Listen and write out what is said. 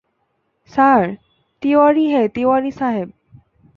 Sir, Tiwari হ্যাঁঁ তিওয়ারী সাহবে।